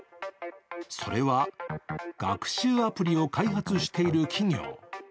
それは学習アプリを開発している企業。